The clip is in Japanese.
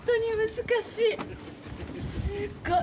すっごい。